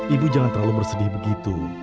ibu jangan terlalu bersedih begitu